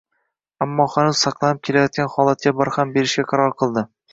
ammo hanuz saqlanib kelayotgan holatga barham berishga qaror qildi.